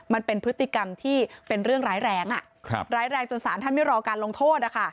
มันเป็นพฤติกรรมที่เป็นเรื่องร้ายแรงร้ายแรงจนสารท่านไม่รอการลงโทษ